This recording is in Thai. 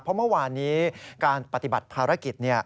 เพราะเมื่อวานนี้การปฏิบัติภารกิจ